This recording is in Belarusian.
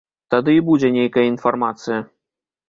Тады і будзе нейкая інфармацыя.